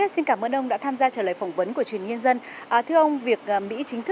xin cảm ơn ông đã tham gia trả lời phỏng vấn của truyền hình nhân dân